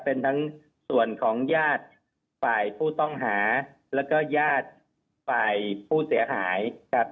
เป็นทั้งส่วนของญาติฝ่ายผู้ต้องหาแล้วก็ญาติฝ่ายผู้เสียหายครับ